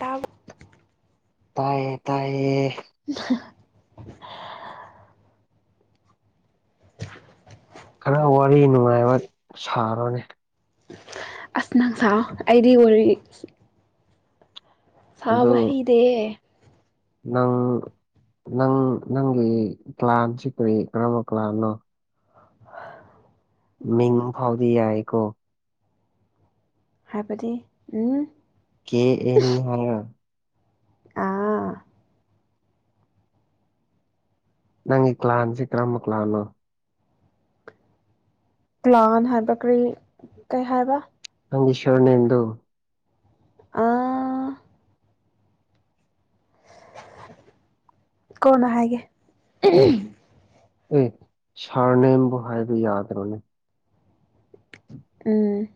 ꯇꯥ ꯇꯥꯏꯌꯦ ꯇꯥꯏꯌꯦ [unintelligible] ꯈꯔ ꯋꯥꯔꯤ ꯅꯨꯡꯉꯥꯏꯕ ꯁꯥꯔꫭꯅꯦ ꯑꯁ ꯅꯪ ꯁꯥꯎ ꯑꯩꯗꯤ ꯋꯥꯔꯤ ꯑꯗꯨ ꯁꯥꯕ ꯍꯩꯇ‌ꯦꯌ‌ꯦ ꯅꯪ ꯅꯪ ꯅꯪꯒꯤ ꯀ꯭ꯂꯥꯟꯁꯤ ꯀꯔꯤ ꯀꯔꯝꯕ ꯀ꯭ꯂꯥꯟꯅꯣ [unintelligible] ꯃꯤꯡ ꯐꯥꯎꯗꯤ ꯌꯥꯏꯀꯣ ꯍꯥꯏꯕꯗꯤ ꯎꯝ ꯀ‌ꯦ ꯑꯦꯅꯤ ꯍꯥꯏꯔꯣ ꯑꯥ ꯅꯪꯒꯤ ꯀ꯭ꯂꯥꯟꯁꯤ ꯀꯔꯝꯕ ꯀ꯭ꯂꯥꯟꯅꯣ ꯄ꯭ꯂꯥꯟ ꯍꯥꯏꯕ ꯀꯔꯤ ꯀꯩ ꯍꯥꯏꯕ ꯅꯪꯒꯤ ꯁꯔ ꯅ‌ꯦꯝꯗꫭ ꯑꯥ ꯀꫭꯟꯅ ꯍꯥꯏꯒꯦ ꯑꯦ ꯁꯥꯔ ꯅꯦꯝꯕꯨ ꯍꯥꯏꯕ ꯌꯥꯗ꯭ꯔꯣꯅꯦ ꯎꯝ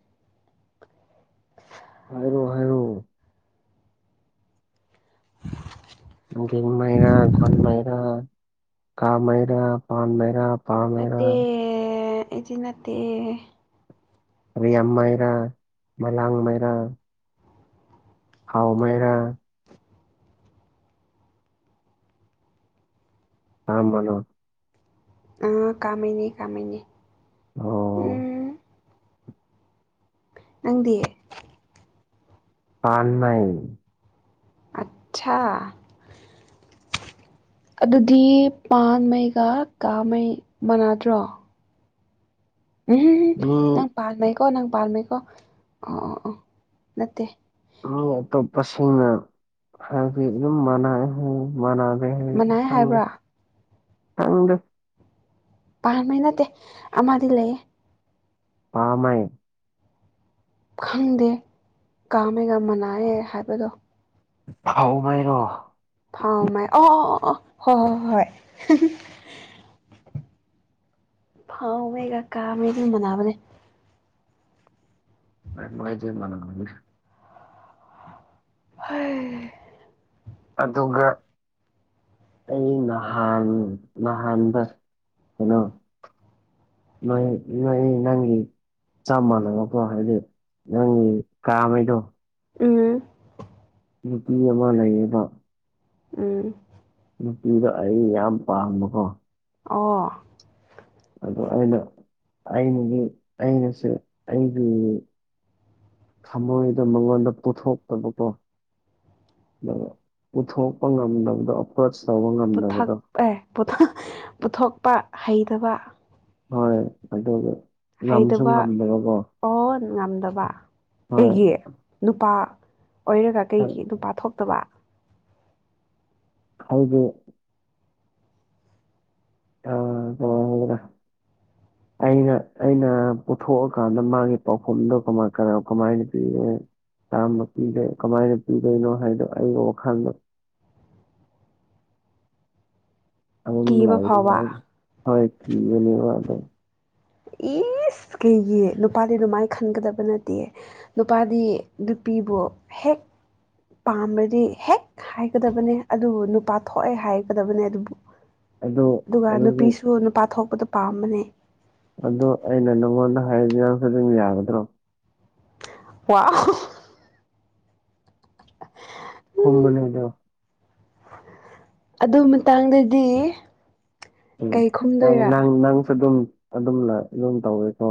ꯍꯥꯏꯔꯣ ꯍꯥꯏꯔꯣ [unintelligible] ꯖꯤꯡ ꯃꯩꯔꯥ ꯒꯣꯟ ꯃꯩꯔꯥ ꯀꯥ ꯃꯩꯔꯥ ꯄꯥꯝ ꯃꯩꯔꯥ ꯄꯥ ꯃꯩꯔꯥ ꯅꯠꯇꯦ ꯑꯩꯗꯤ ꯅꯠꯇꯦ ꯔꯦꯡ ꯃꯩꯔꯥ ꯃꯂꯥꯡ ꯃꯩꯔꯥ ꯍꯥꯎ ꯃꯩꯔꯥ [unintelligible] ꯀꯥꯃꯩꯅꯤ ꯀꯥꯃꯅꯦ ꯑꯣ ꯅꯪꯗꯤ ꯄꯥꯟ ꯃꯩ ꯆꯥ ꯑꯗꯨꯗꯤ ꯄꯥꯟꯃꯩꯒ ꯀꯥꯃꯩ ꯃꯥꯟꯅꯗ꯭ꯔꯣ ꯃꯤ ꯅꯪ ꯄꯥꯟꯃꯩꯀꯣ ꯅꯪ ꯄꯥꯟꯃꯩꯀꯣ ꯑꯣ ꯑꯣ ꯑꯣ ꯅꯠꯇꯦ ꯃꯤ ꯑꯇꯣꯞꯄꯁꯤꯡꯅ ꯍꯥꯏꯕꯒꯤ ꯑꯗꯨꯝ ꯃꯥꯟꯅꯔꯦ ꯃꯥꯟꯅ [unintelligible] ꯃꯅꯥꯏ ꯈꯪꯗꯦ ꯍꯥꯏꯕ꯭ꯔꯥ ꯈꯪꯗꯦ ꯄꯥꯟꯕꯩ ꯅꯠꯇꯦ ꯑꯃꯗꯤ ꯂꯩꯌꯦ ꯄꯥꯟꯃꯩ ꯈꯪꯗꯦ ꯀꯥꯝꯃꯩꯒ ꯃꯅꯥꯌꯦ ꯍꯥꯏꯕꯗꯣ ꯐꯥꯎꯃꯩꯔꯣ ꯐꯥꯎꯃꯩ ꯑꯣ ꯑꯣ ꯑꯣ ꯑꯣ ꯑꯣ ꯍꯣꯏ ꯍꯣꯏ ꯍꯣꯏ ꯐꯥꯎꯃꯩꯒ ꯀꯥꯝꯃꯩꯒ ꯃꯅꯥꯕꯅꯦ ꯀꯥꯝꯃꯩꯗꯤ ꯃꯥꯟꯅꯕꯅꯦ ꯍꯣꯏ ꯑꯗꯨꯒ ꯑꯩ ꯅꯍꯥꯟ ꯅꯍꯥꯟꯗꯣ ꯀꯩꯅꯣ ꯅꯣꯏ ꯅꯣꯏ ꯅꯪꯒꯤ ꯆꯞ ꯃꯥꯟꯅꯕꯀꯣ ꯍꯥꯏꯗꯤ ꯅꯪꯒꯤ ꯀꯥꯝꯃꯩꯗꯣ ꯎꯝ ꯅꯨꯄꯤ ꯑꯃ ꯂꯩꯌꯦꯕ ꯎꯝ ꯅꯨꯄꯤꯗꯣ ꯑꯩ ꯌꯥꯝ ꯄꯥꯝꯕꯀꯣ ꯑꯣ ꯑꯗꯣ ꯑꯩꯅ ꯑꯩꯅꯗꯤ ꯑꯩꯅꯁꯨ ꯑꯩꯒꯤ ꯊꯃꯣꯏꯗ ꯃꯉꯣꯟꯗ ꯄꯨꯊꯣꯛꯇꯕꯀꯣ ꯑꯗꯣ ꯄꯨꯊꯣꯛꯄ ꯉꯝꯗꯕꯗꯣ ꯑꯦꯄ꯭ꯔꯣꯆ ꯇꯧꯕ ꯄꯨꯊꯛ ꯉꯝꯗꯕꯗꯣ ꯑꯦ ꯄꯨꯊꯣꯛ ꯄꯨꯊꯣꯛꯄ ꯍꯩꯇꯕ ꯍꯣꯏ ꯑꯗꯨꯒ ꯉꯝꯁꯨ ꯍꯩꯇꯕ ꯉꯝꯗꯕꯀꯣ ꯑꯣ ꯉꯝꯗꯕ ꯍꯣꯏ ꯀꯩꯒꯤ ꯅꯨꯄꯥ ꯑꯣꯏꯔꯒ ꯀꯩꯒꯤ ꯅꯨꯄꯥ ꯊꯣꯛꯇꯕ ꯍꯥꯏꯗꯤ ꯑꯥ ꯀꯃꯥꯏ ꯍꯥꯏꯁꯤꯔꯥ ꯑꯩꯅ ꯑꯩꯅ ꯄꯨꯊꯣꯛꯑꯥꯀꯥꯟꯗ ꯃꯥꯒꯤ ꯄꯥꯎꯈꯨꯝꯗꯣ ꯀꯃꯥꯏ ꯀꯅꯥ ꯀꯃꯥꯏ ꯄꯤꯒꯅꯤ ꯆꯥꯝꯕ ꯄꯤꯗꯦ ꯀꯃꯥꯏꯅ ꯄꯤꯗꯣꯏꯅꯣ ꯍꯥꯏꯗꯣ ꯑꯩꯒꯤ ꯋꯥꯈꯜꯗ ꯑꯃꯨꯛ ꯑꯃꯨꯛ ꯀꯤꯕ ꯅꯨꯡꯉꯥꯏꯔꯤꯁꯤꯒ ꯐꯥꯎꯕ ꯍꯥꯏꯔꯗꯤ ꯍꯣꯏ ꯄꯤꯒꯅꯨ [unintelligible] ꯏꯁ ꯀꯩꯒꯤ ꯅꯨꯄꯥꯗꯤ ꯑꯗꯨꯃꯥꯏꯅ ꯈꯟꯒꯗꯕ ꯅꯠꯇꯤꯌꯦ ꯅꯨꯄꯥꯗꯤ ꯅꯨꯄꯤꯕꯨ ꯍꯦꯛ ꯄꯥꯝꯕ꯭ꯔꯗꯤ ꯍꯦꯛ ꯍꯥꯏꯒꯗꯕꯅꯦ ꯑꯗꯨꯕꯨ ꯅꯨꯄꯥ ꯊꯣꯛꯑꯦ ꯍꯥꯏꯒꯗꯕꯅꯦ ꯑꯗꯨꯕꯨ ꯑꯗꯨ ꯑꯗꯨꯒ ꯑꯗꯨꯗꯤ ꯅꯨꯄꯤꯁꯨ ꯅꯨꯄꯥ ꯊꯣꯛꯄꯗꯣ ꯄꯥꯝꯕꯅꯦ ꯑꯗꯣ ꯑꯩꯅ ꯅꯪꯉꯣꯟꯗ ꯍꯥꯏꯔꯖꯤꯅ ꯍꯧꯖꯤꯛꯃꯛ ꯌꯥꯒꯗ꯭ꯔꯣ ꯋꯥꯎ [unintelligible] ꯈꯨꯝꯃꯨꯅꯦ ꯑꯗꯣ ꯑꯗꯨ ꯃꯇꯥꯡꯗꯗꯤ ꯎꯝ ꯀꯩ ꯅꯪ ꯈꯨꯝꯗꯣꯏꯔꯥ ꯅꯪ ꯅꯪꯁꯨ ꯑꯗꯨꯝ ꯑꯗꯨꯝꯅ ꯑꯗꯨꯝ ꯇꯧꯋꯤꯀꯣ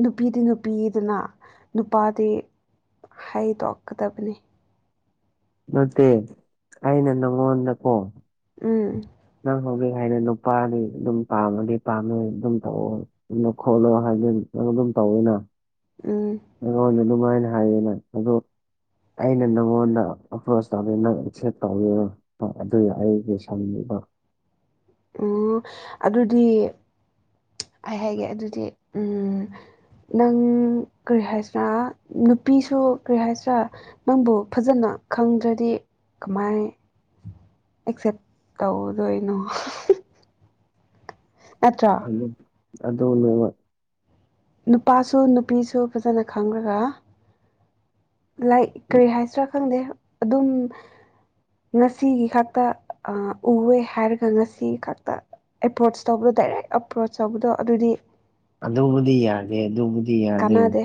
ꯅꯨꯄꯤꯗꯤ ꯅꯨꯄꯤꯗꯅ ꯅꯨꯄꯥꯗꯤ ꯍꯥꯏꯗꯣꯛꯀꯗꯕꯅꯦ ꯅꯠꯇꯦ ꯑꯩꯅ ꯅꯪꯉꯣꯟꯗꯀꯣ ꯎꯝ ꯅꯪ ꯍꯧꯖꯤꯛ ꯍꯥꯏꯔꯦ ꯅꯨꯄꯥꯗꯤ ꯑꯗꯨꯝ ꯄꯥꯝꯃꯗꯤ ꯄꯥꯝꯅꯣꯏ ꯑꯗꯨꯝ ꯇꯧꯑꯣ [unintelligible] ꯈꯣꯠꯂꯣ ꯍꯥꯏꯖꯤ ꯑꯗꯨꯝ ꯇꯧꯋꯤꯅ ꯎꯝ ꯑꯩꯉꯣꯟꯗ ꯑꯗꯨꯃꯥꯏꯅ ꯍꯥꯏꯌꯦꯅ ꯑꯗꯣ ꯑꯩꯅ ꯅꯪꯉꯣꯟꯗ ꯑꯦꯄ꯭ꯔꯣꯁ ꯇꯧꯋꯦ ꯅꯪ ꯑꯦꯛꯁꯦ ꯇꯧꯋꯦ ꯍ ꯑꯗꯨꯏ ꯑꯩꯒꯤ ꯁꯅꯤꯡꯅꯦꯕ ꯑꯣ ꯑꯗꯨꯗꯤ ꯑꯩ ꯍꯥꯏꯒꯦ ꯑꯗꯨꯗꯤ ꯎꯝ ꯅꯪ ꯀꯔꯤ ꯍꯥꯏꯁꯤꯔꯥ ꯅꯨꯄꯤꯁꯨ ꯀꯔꯤ ꯍꯥꯏꯁꯤꯔꯥ ꯅꯪꯕꯨ ꯐꯖꯅ ꯈꯪꯗ꯭ꯔꯗꯤ ꯀꯃꯥꯏ ꯑꯦꯛꯁꯦꯞ ꯇꯧꯗꯣꯏꯅꯣ ꯅꯠꯇꯔꯥ ꯑꯗꯨꯅꯦꯕ ꯅꯨꯄꯥꯁꯨ ꯅꯨꯄꯤꯁꯨ ꯐꯖꯅ ꯈꯪꯈ꯭ꯔꯒ ꯂꯥꯏ ꯀꯔꯤ ꯍꯥꯏꯁꯤꯔꯥ ꯈꯪꯗꯦ ꯑꯗꯨꯝ ꯉꯁꯤꯒꯤ ꯈꯛꯇ ꯎꯑꯦ ꯍꯥꯏꯔꯒ ꯉꯁꯤꯒꯤ ꯈꯛꯇ ꯑꯦꯄ꯭ꯔꯣꯆ ꯇꯧꯕꯗꯣ ꯗꯥꯏꯔꯦꯛ ꯑꯦꯄ꯭ꯔꯣꯆ ꯇꯧꯕꯗꯣ ꯑꯗꯨꯗꯤ ꯑꯗꯨꯕꯨꯗꯤ ꯌꯥꯗꯦ ꯑꯗꯨꯕꯨꯗꯤ ꯌꯥꯗꯦ ꯀꯥꯟꯅꯗꯦ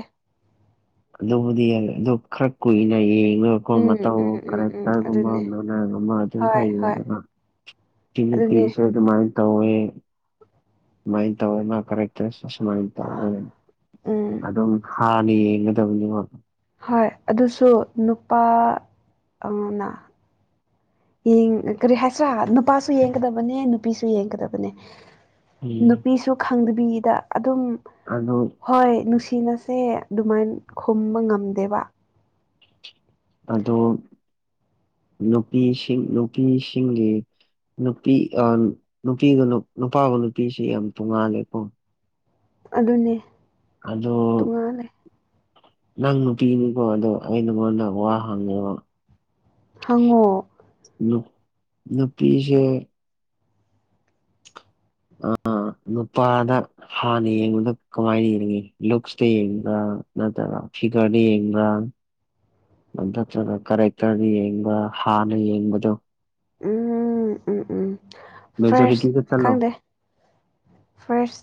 ꯑꯗꯨꯕꯨꯗꯤ ꯌꯥꯏ ꯑꯗꯨ ꯈꯔ ꯀꯨꯏꯅ ꯌꯦꯡꯉ ꯃꯈꯣꯏ ꯎꯝ ꯃꯇꯧ ꯎꯝ [unintelligible] ꯎꯝ ꯎꯝ ꯑꯗꯨꯅꯦ ꯑꯗꯨꯝ ꯈꯔ ꯍꯣꯏ ꯍꯣꯏ ꯌꯦꯡꯔꯒ ꯑꯗꯨꯅꯦ ꯇꯤꯁꯦ ꯑꯗꯨ ꯃꯥꯥꯏ ꯇꯧꯌꯦ ꯁꯨꯃꯥꯏꯅ ꯇꯧꯔ ꯃꯥ ꯀꯔꯦꯛꯇ꯭ꯔꯦꯁ ꯑꯁꯨꯃꯥꯏꯅ ꯇꯧꯒ ꯎꯝ ꯑꯗꯨꯝ ꯍꯥꯟꯅ ꯌꯦꯡꯒꯗꯕꯅꯤꯕ ꯍꯣꯏ ꯑꯗꯨꯁꯨ ꯅꯨꯄꯥ ꯑꯃꯅ ꯌꯦꯡ ꯀꯔꯤ ꯍꯥꯏꯁ꯭ꯔꯥ ꯅꯨꯄꯥꯁꯨ ꯌꯦꯡꯒꯗꯕꯅꯦ ꯅꯨꯄꯤꯁꯨ ꯌꯦꯡꯒꯗꯕꯅꯦ ꯎꯝ ꯅꯨꯄꯤꯁꯨ ꯈꯪꯗꯕꯤꯗ ꯑꯗꯨꯝ ꯑꯗꯣ ꯍꯣꯏ ꯅꯨꯡꯁꯤꯅꯁꯦ ꯑꯗꯨꯃꯥꯏꯅ ꯈꯨꯝꯕ ꯉꯝꯗꯦꯕ ꯑꯗꯣ ꯅꯨꯄꯤꯁꯤꯡ ꯅꯨꯄꯤꯁꯤꯡꯒꯤ ꯅꯨꯄꯤ ꯅꯨꯄꯤꯒ ꯅꯨꯄꯥꯒ ꯅꯨꯄꯤꯁ ꯌꯥꯝ ꯇꯣꯡꯉꯥꯜꯂꯦꯀꯣ ꯑꯗꯨꯅꯦ ꯑꯗꯣ ꯇꯣꯉꯥꯜꯂꯦ ꯅꯪ ꯅꯨꯄꯤꯅꯤꯀꯣ ꯑꯗꯣ ꯑꯩ ꯅꯉꯣꯟꯗ ꯋꯥ ꯍꯪꯉꯦꯕ ꯍꯪꯉꯣ ꯅꯨꯞ ꯅꯨꯄꯤꯁꯦ ꯑ ꯅꯨꯄꯥꯗ ꯍꯥꯟꯅ ꯌꯦꯡꯕꯗ ꯀꯃꯥꯏꯅ ꯌꯦꯡꯉꯤ ꯂꯨꯛꯁꯇ ꯌꯦꯡꯕ꯭ꯔꯥ ꯅꯠꯇ꯭ꯔꯒ ꯐꯤꯒꯔꯗ ꯌꯦꯡꯕ꯭ꯔꯥ ꯅꯠꯇ꯭ꯔꯒ ꯀꯔꯦꯛꯇꯔꯗ ꯌꯦꯡꯕ ꯍꯥꯟꯅ ꯌꯦꯡꯕꯗꯣ ꯎꯝ ꯎꯝ ꯎꯝ ꯐ꯭ꯔꯥꯁ ꯃꯦꯖꯣꯔꯤꯇꯤꯗ ꯆꯠꯂꯣ ꯈꯪꯗꯦ ꯐꯥꯔꯁ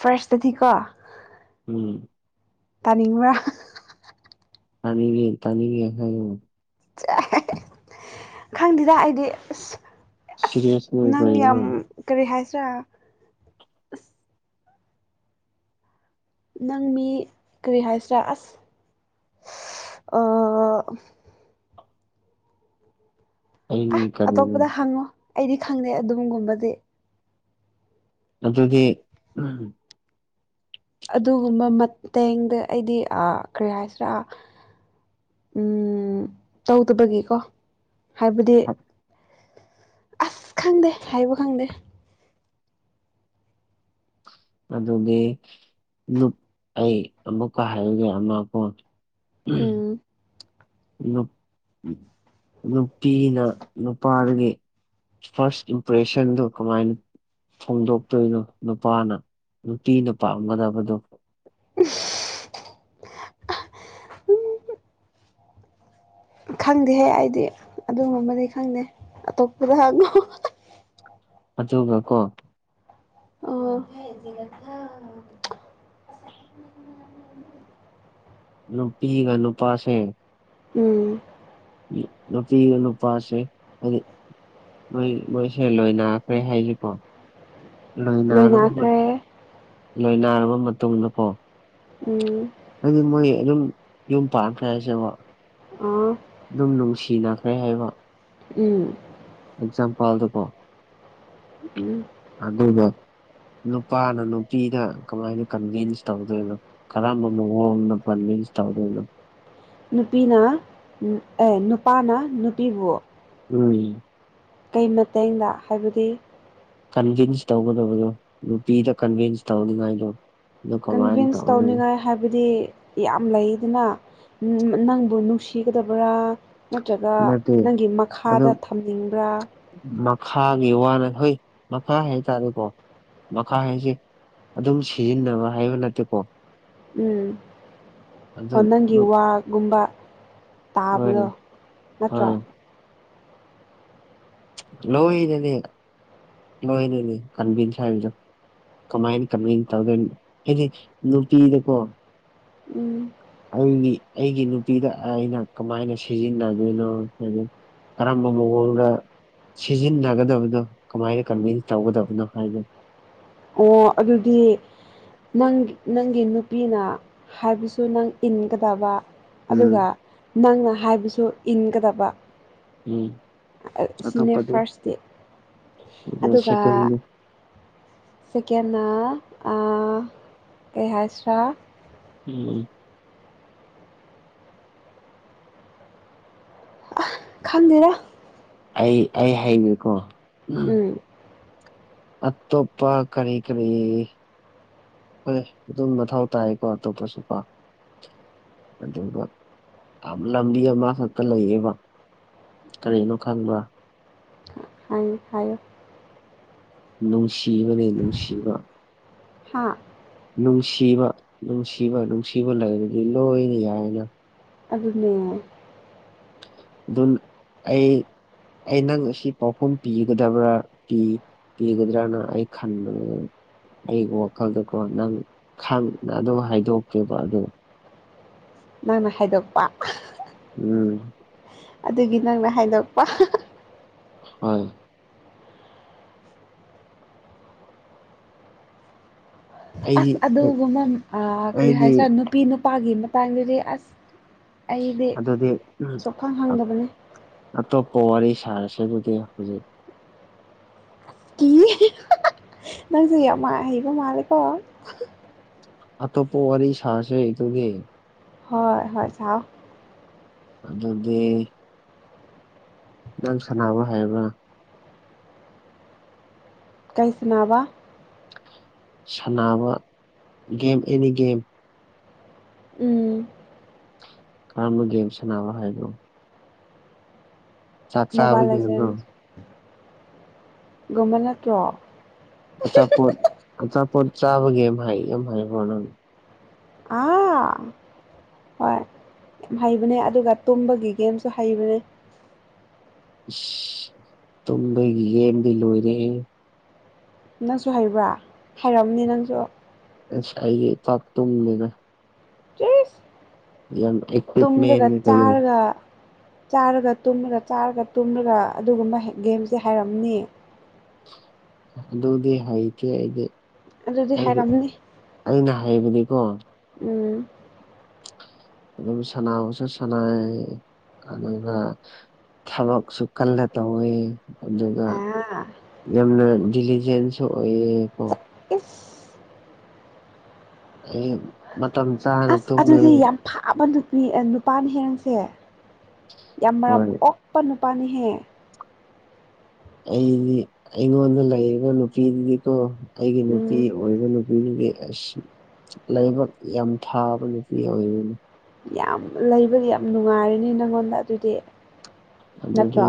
ꯐꯥꯔꯁꯇꯗꯤꯀꯣ ꯎꯝ ꯇꯥꯅꯤꯡꯕ꯭ꯔꯥ ꯇꯥꯅꯤꯡꯏ ꯇꯥꯅꯤꯡꯏ ꯍꯥꯏꯌꯣ ꯈꯪꯗꯦꯗ ꯑꯩꯗꯤ ꯑꯁ ꯑꯁ ꯁꯤꯔꯤꯌꯁꯅꯦ ꯅꯪ ꯀꯔꯤꯅꯣ ꯌꯥꯝ ꯀꯔꯤ ꯍꯥꯏꯁꯤꯔꯥ ꯑꯁ ꯅꯪ ꯃꯤ ꯀꯔꯤꯍꯥꯏ ꯁꯔꯥꯁ ꯑ ꯑꯩꯅꯤ ꯀꯔꯤꯅꯣ ꯑꯇꯣꯞꯄꯗ ꯍꯪꯉꯣ ꯑꯩꯗꯤ ꯈꯪꯗꯦ ꯑꯗꯨꯒꯝꯒꯨꯝꯕꯗꯤ ꯑꯗꯨꯗꯤ ꯑꯗꯨꯒꯨꯝꯕ ꯃꯇꯦꯡꯗ ꯑꯩꯗꯤ ꯑ ꯀꯔꯤ ꯍꯥꯏꯁꯤꯔꯥ ꯎꯝ ꯇꯧꯗꯕꯒꯤꯀꯣ ꯍꯥꯏꯕꯗꯤ ꯑꯁ ꯈꯪꯗꯦ ꯍꯥꯏꯕ ꯈꯪꯗꯦ ꯑꯗꯨꯒꯤ ꯅꯨꯞ ꯑꯩ ꯑꯃꯨꯛꯀ ꯍꯥꯏꯔꯒꯦ ꯑꯃ ꯀꯣ ꯎꯝ ꯎꯝ ꯅꯨꯞ ꯅꯨꯄꯤꯅ ꯅꯨꯄꯥꯗꯒꯤ ꯐꯥꯔꯁ ꯏꯝꯄ꯭ꯔꯦꯁꯟꯗꯣ ꯀꯃꯥꯏꯅ ꯐꯣꯡꯗꯣꯛꯇꯣꯏꯗꯣ ꯅꯨꯄꯥꯅ ꯅꯨꯄꯤꯅ ꯄꯥꯝꯒꯗꯕꯗꯣ ꯈꯪꯗꯦꯍꯦ ꯑꯩꯗꯤ ꯑꯗꯨꯒꯨꯝꯕꯗꯤ ꯈꯪꯗꯦ ꯑꯇꯣꯞꯄꯗ ꯍꯪꯉꯣ ꯑꯗꯨꯒ ꯀꯣ ꯑꯣ ꯅꯨꯄꯤꯒ ꯅꯨꯄꯥꯁꯦ ꯎꯝ ꯅꯨꯄꯤ ꯅꯨꯄꯥꯁꯦ ꯑꯗꯨ ꯃꯣꯏ ꯃꯣꯏꯁꯦ ꯂꯣꯏꯅꯈ꯭ꯔꯦ ꯍꯥꯏꯁꯤꯕꯣ ꯂꯣꯏꯅꯔꯕ ꯂꯣꯏꯅꯈ꯭ꯔꯦ ꯃꯇꯨꯡ ꯂꯣꯏꯅꯔꯕ ꯃꯇꯨꯡꯗꯀꯣ ꯎꯝ ꯍꯥꯏꯗꯤ ꯃꯣꯏ ꯑꯗꯨꯝ ꯌꯨꯝ ꯄꯥꯟꯈ꯭ꯔꯦ ꯍꯥꯏꯁꯦꯕ ꯑꯥ ꯑꯗꯨꯝ ꯅꯨꯡꯁꯤꯅꯈ꯭ꯔꯦ ꯍꯥꯏꯕ ꯎꯝ ꯑꯦꯛꯖꯥꯝ ꯄꯜꯗꯀꯣ ꯎꯝ ꯑꯗꯨꯒ ꯅꯨꯄꯥꯅ ꯅꯨꯄꯤꯗ ꯀꯃꯥꯏꯅ ꯀꯟꯚꯤꯟꯁ ꯇꯧꯗꯣꯏꯅꯣ ꯀꯔꯝꯕ ꯃꯑꯣꯡꯗ ꯀꯟꯕꯤꯟꯁ ꯇꯧꯗꯣꯏꯅꯣ ꯅꯨꯄꯤꯅ ꯑꯦ ꯅꯨꯄꯥꯅ ꯅꯨꯄꯤꯕꯨ ꯎꯝ ꯀꯩ ꯃꯇꯦꯡꯗ ꯍꯥꯏꯕꯗꯤ ꯀꯟꯚꯤꯟꯁ ꯇꯧꯒꯗꯕꯗꯣ ꯅꯨꯄꯤꯗ ꯀꯟꯚꯤꯟꯁ ꯇꯧꯅꯤꯉꯥꯏꯗꯣ ꯑꯗꯨ ꯀꯃꯥꯏꯅ ꯀꯟꯚꯤꯟꯁ ꯇꯧꯅꯤ ꯇꯧꯅꯤꯡꯉꯥꯏ ꯍꯥꯏꯕꯗꯤ ꯌꯥꯝ ꯂꯩꯗꯅ ꯅꯪꯕꯨ ꯅꯨꯡꯁꯤꯒꯗꯕ꯭ꯔꯥ ꯅꯠꯇ꯭ꯔꯒ ꯅꯠꯇꯦ ꯅꯪꯒꯤ ꯑꯗꯨ ꯃꯈꯥꯗ ꯊꯝꯅꯤꯡꯕ꯭ꯔꯥ ꯃꯈꯥꯒꯤ ꯋꯥꯅ ꯍꯣꯏ ꯃꯈꯥ ꯍꯥꯏꯇꯥꯔꯦꯀꯣ ꯃꯈꯥ ꯍꯥꯏꯁꯦ ꯑꯗꯨꯝ ꯁꯤꯖꯤꯟꯅꯕ ꯍꯥꯏꯕ ꯅꯠꯇꯦꯀꯣ ꯎꯝ ꯑꯗꯨ ꯑꯣ ꯅꯪꯒꯤ ꯋꯥꯒꯨꯝꯕ ꯍꯣꯏ ꯇꯥꯕꯗꯣ ꯅꯠꯇ꯭ꯔꯣ ꯍꯣꯏ [unintelligible] ꯀꯟꯕꯤꯟꯁ ꯍꯥꯏꯕꯗꯣ ꯀꯃꯥꯏ ꯀꯃꯦꯟ ꯇꯧꯗꯣꯏꯅꯣ ꯍꯥꯏꯗꯤ ꯅꯨꯄꯤꯗꯀꯣ ꯎꯝ ꯑꯩꯒꯤ ꯑꯩꯒꯤ ꯅꯨꯄꯤꯗ ꯑꯩꯅ ꯀꯃꯥꯏꯅ ꯁꯤꯖꯤꯟꯅꯗꯣꯏꯅꯣ ꯍꯥꯏꯕ ꯀꯔꯝꯕ ꯃꯑꯣꯡꯗ ꯁꯤꯖꯤꯟꯅꯒꯗꯕꯗꯣ ꯀꯃꯥꯏꯅ ꯀꯟꯚꯤꯟꯁ ꯇꯧꯒꯗꯕꯅꯣ ꯍꯥꯏꯗꯨ ꯑꯣ ꯑꯗꯨꯗꯤ ꯅꯪ ꯅꯪꯒꯤ ꯅꯨꯄꯤꯅ ꯍꯥꯏꯕꯁꯨ ꯅꯪ ꯏꯟꯒꯗꯕ ꯑꯗꯨꯒ ꯎꯝ ꯅꯪꯅ ꯍꯥꯏꯕꯁꯨ ꯏꯟꯒꯗꯕ ꯎꯝ ꯁꯤꯅꯦ ꯑꯇꯣꯞꯄꯗꯤ ꯐꯥꯔꯁꯇꯤ ꯑꯗꯨ ꯑꯗꯨꯒ ꯁꯦꯀꯦꯟꯗꯤ ꯁꯦꯀꯦꯟꯅ ꯑ ꯀꯩꯍꯥꯏꯁꯤꯔꯥ꯫ ꯎꯝ꯫ ꯈꯟꯗꯦꯗ꯫ ꯑꯩ ꯑꯩ ꯍꯩꯔꯦꯀꯣ꯫ ꯎꯝ꯫ ꯑꯠꯇꯣꯞꯄ ꯀꯔꯤ ꯀꯔꯤ ꯍꯣꯏ ꯑꯗꯨꯝ ꯃꯊꯧ ꯇꯥꯏꯀꯣ ꯑꯇꯣꯞꯄꯁꯨꯀꯣ꯫ ꯑꯗꯨꯒ ꯑꯥꯝ ꯂꯝꯕꯤ ꯑꯃꯥ ꯈꯛꯇ ꯂꯩꯌꯦꯕ꯫ ꯀꯔꯤꯅꯣ ꯈꯪꯕ꯭ꯔꯥ꯫ ꯍꯥꯏ ꯍꯥꯏꯌꯣ ꯅꯨꯡꯁꯤꯕꯅꯦ ꯅꯨꯡꯁꯤꯕ꯫ ꯍꯥꯥ꯫ ꯅꯨꯡꯁꯤꯕ ꯅꯨꯡꯁꯤꯕ ꯅꯨꯡꯁꯤꯕ ꯂꯩꯔꯗꯤ ꯂꯣꯏꯅ ꯌꯥꯏꯅ꯫ ꯑꯗꯨꯅꯦ꯫ ꯑꯗꯨꯝ ꯑꯩ ꯑꯩ ꯅꯪ ꯑꯁꯤ ꯄꯥꯎꯈꯨꯝ ꯄꯤꯒꯗꯕ꯭ꯔꯥ ꯄꯤ ꯄꯤꯒꯗꯔꯥꯅ ꯑꯩ ꯈꯥꯟꯕꯅꯦ ꯑꯩꯒꯤ ꯋꯥꯈꯜꯗꯀꯣ ꯅꯪ ꯈꯪꯅ ꯑꯗꯨꯝ ꯍꯥꯏꯗꯣꯛꯀꯦꯕ ꯑꯗꯣ ꯅꯪꯅ ꯍꯥꯏꯗꯣꯛꯄ꯫ ꯎꯝ꯫ ꯑꯗꯨꯒꯤ ꯅꯪꯅ ꯍꯥꯏꯗꯣꯛꯄ꯫ ꯍꯣꯏ꯫ ꯑꯩꯗꯤ ꯑꯁ ꯑꯗꯨꯒꯨꯝꯕ ꯑ ꯀꯔꯤ ꯑꯩꯗꯤ ꯍꯥꯏꯁꯤꯔ ꯅꯨꯄꯤ ꯅꯨꯄꯥꯒꯤ ꯃꯇꯥꯡꯗꯗꯤ ꯑꯁ ꯑꯩꯗꯤ ꯑꯗꯨꯗꯤ ꯁꯣꯛꯈꯥꯡ ꯍꯪꯗꯕꯅꯤ꯫ ꯑꯠꯇꯣꯞꯄ ꯋꯥꯔꯤ ꯁꯥꯔꯁꯦ ꯑꯗꯨꯗꯤ ꯍꯧꯖꯤꯛ꯫ ꯅꯪꯁꯨ ꯌꯥꯝ ꯃꯥꯥꯏ ꯍꯩꯕ ꯃꯥꯂꯦꯀꯣ꯫ ꯑꯇꯣꯄ ꯋꯥꯔꯤ ꯁꯥꯁꯦ ꯑꯗꯨꯗꯤ꯫ ꯍꯣꯏ ꯍꯣꯏ ꯁꯥꯎ ꯑꯗꯨꯗꯤ꯫ ꯅꯪ ꯁꯥꯟꯅꯕ ꯍꯥꯏꯕ꯭ꯔꯥ꯫ ꯀꯩ ꯁꯅꯥꯕ꯫ ꯁꯥꯟꯅꯕ ꯒꯦꯝ ꯑꯦꯅꯤꯒꯦꯝ꯫ ꯎꯝ꯫ ꯀꯔꯝꯕ ꯒꯦꯝ ꯁꯥꯟꯅꯕ ꯍꯥꯏꯅꯣ꯫ ꯆꯥꯕ ꯃꯣꯕꯥꯏꯜꯖꯦꯟ ꯒꯦꯝꯔꯣ ꯒꯨꯝꯕ ꯅꯥꯠꯇꯔꯣ꯫ ꯑꯆꯥꯄꯣꯠ ꯑꯆꯥꯄꯣꯠ ꯆꯥꯕꯒꯤ ꯑꯃ ꯍꯥꯏ ꯑꯃ ꯍꯥꯏꯕꯣꯅ ꯑꯥ꯫ ꯍꯣꯏ ꯌꯥꯝ ꯍꯩꯕꯅꯦ ꯑꯗꯨꯒ ꯇꯨꯝꯕꯒꯤ ꯒꯦꯝꯁꯨ ꯍꯩꯕꯅꯦ꯫ ꯇꯨꯝꯕꯒꯤ ꯒꯦꯝꯗꯤ ꯂꯣꯏꯔꯦꯍꯦ ꯅꯪꯁꯨ ꯍꯩꯕ꯭ꯔꯥ ꯍꯥꯏꯔꯑꯝꯅꯤ ꯅꯪꯁꯨ꯫ ꯑꯦꯁ ꯑꯩꯗꯤ ꯄꯥꯛ ꯇꯨꯝꯗꯦꯗ꯫ ꯌꯥꯝ ꯐꯩ ꯇꯨꯝꯗ꯭ꯔꯒ ꯆꯥꯔꯒ ꯆꯥꯔꯒ ꯇꯨꯝꯃꯒ ꯆꯥꯔꯒ ꯇꯨꯝꯂꯒ ꯑꯗꯨꯒꯨꯝꯕ ꯒꯦꯝꯁꯦ ꯍꯥꯏꯔꯝꯅꯤ꯫ ꯑꯗꯨꯗꯤ ꯍꯥꯏꯇꯦ ꯑꯩꯗꯤ꯫ ꯑꯗꯨꯗꯤ ꯑꯩꯗꯤ ꯍꯥꯏꯔꯝꯅꯤ ꯑꯩꯅ ꯍꯥꯏꯕꯗꯤꯀꯣ ꯎꯝ ꯑꯗꯨꯝ ꯁꯅꯥꯕꯨꯁꯨ ꯁꯥꯟꯅꯩ ꯑꯗꯨꯒꯥ ꯊꯕꯛꯁꯨ ꯀꯜꯂꯥ ꯇꯧꯋꯤ ꯑꯗꯨꯒ ꯑꯥ ꯌꯥꯝꯅ ꯗꯤꯂꯤꯖꯦꯟꯁꯨ ꯑꯣꯏꯌꯦ ꯀꯣ ꯏꯁ ꯑꯩ ꯃꯇꯝ ꯆꯥ ꯑꯁ ꯑꯗꯨꯗꯤ ꯌꯥꯝ ꯐꯥꯕ ꯅꯨꯄꯤ ꯅꯨꯄꯥꯅ ꯍꯦ ꯅꯪꯁꯦ ꯌꯥꯝ ꯃꯔꯝ ꯍꯣꯏ ꯑꯣꯛ ꯄꯥ ꯅꯨꯄꯥꯅꯤꯍꯦ ꯑꯣꯏꯍꯟꯅꯤ ꯑꯩꯉꯣꯟꯗ ꯂꯩꯔꯒꯥ ꯅꯨꯄꯤꯗꯨꯒꯤꯀꯣ ꯑꯩꯒꯤ ꯅꯨꯄꯤ ꯎꯝ ꯑꯣꯏꯕ ꯅꯨꯄꯤꯗꯨꯗꯤ ꯑꯁ ꯂꯥꯏꯕꯛ ꯌꯥꯝ ꯐꯥꯕ ꯅꯨꯄꯤ ꯑꯣꯏꯔꯤꯅꯤ ꯂꯩꯕꯒꯤ ꯌꯥꯝ ꯅꯨꯡꯉꯥꯏꯔꯅꯤ ꯅꯪꯉꯣꯟꯗ ꯑꯗꯨꯗꯤ ꯑꯗꯨꯒꯤ ꯅꯠꯇ꯭ꯔꯣ